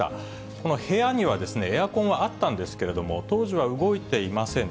この部屋にはエアコンはあったんですが、当時は動いていません